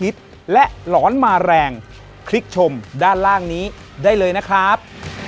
สวัสดีครับ